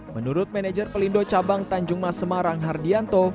menurut manajer pelindo cabang tanjung mas semarang hardianto